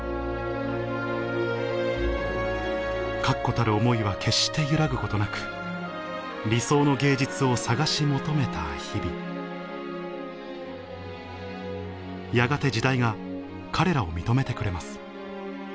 確固たる思いは決して揺らぐことなく理想の芸術を探し求めた日々やがて時代が彼らを認めてくれます